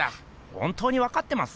本当にわかってます？